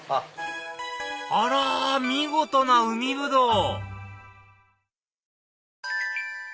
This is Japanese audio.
あら見事な海ぶどう！